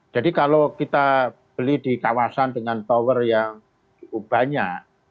jadi kalau kita beli di kawasan dengan tower yang cukup banyak